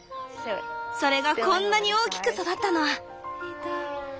それがこんなに大きく育ったの！